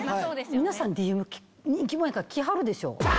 皆さんＤＭ人気者やから来はるでしょ？